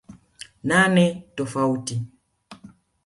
nane tofauti